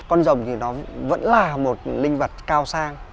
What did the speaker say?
con rồng thì nó vẫn là một linh vật cao sang